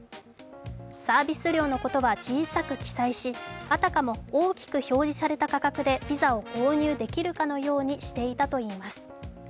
サービス料のことは小さく記載しあたかも大きく表示された価格でピザを購入できるかのようにしていたといいます。